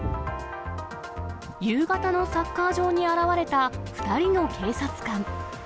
夕方のサッカー場に現れた２人の警察官。